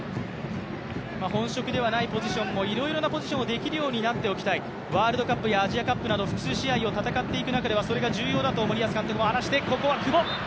本職ではないポジションもいろんなポジションができるようになりたい、ワールドカップやアジアカップなど複数試合を戦っていく中ではそれが重要だと森保監督も話しています。